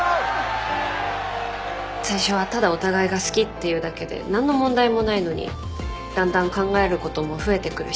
最初はただお互いが好きっていうだけで何の問題もないのにだんだん考えることも増えてくるし。